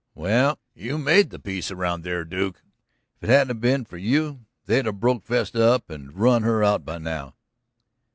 "Well, you made the peace around there, Duke; if it hadn't 'a' been for you they'd 'a' broke Vesta up and run her out by now."